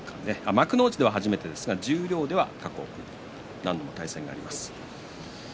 幕内では初めてですが十両では過去何度も対戦があります。